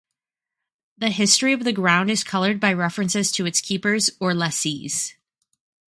The history of the ground is coloured by references to its keepers, or lessees.